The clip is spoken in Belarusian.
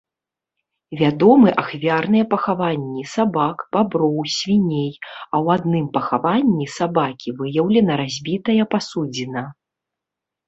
Вядомы ахвярныя пахаванні сабак, баброў, свіней, а ў адным пахаванні сабакі выяўлена разбітая пасудзіна.